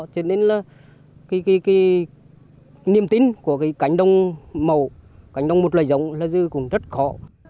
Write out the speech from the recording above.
cho nên là cái niềm tin của cái cánh đồng mẫu cánh đồng một loài giống là dư cũng rất khó